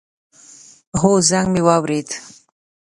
هو، زنګ می واورېد